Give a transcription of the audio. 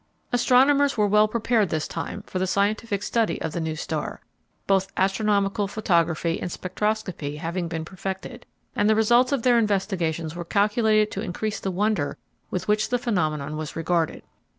Astronomers were well prepared this time for the scientific study of the new star, both astronomical photography and spectroscopy having been perfected, and the results of their investigations were calculated to increase the wonder with which the phenomenon was regarded.